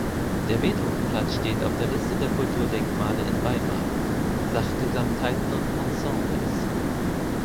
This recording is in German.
Der Beethovenplatz steht auf der Liste der Kulturdenkmale in Weimar (Sachgesamtheiten und Ensembles).